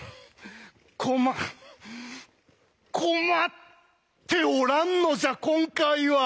ま困っておらんのじゃ今回は！